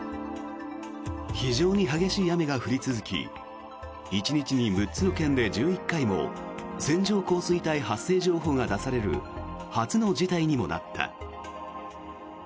非常に激しい雨が降り続き１日に６つの県で１１回も線状降水帯発生情報が出される初の事態にもなった。